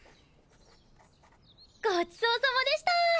ごちそうさまでした！